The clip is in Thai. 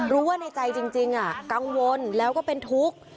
ว่าในใจจริงกังวลแล้วก็เป็นทุกข์